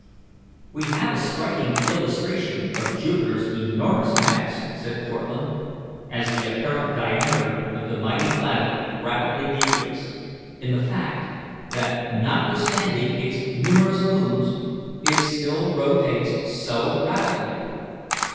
"We have a striking illustration of Jupiter's enormous mass," said Cortlandt, as the apparent diameter of the mighty planet rapidly decreased, "in the fact that notwithstanding its numerous moons, it still rotates so rapidly.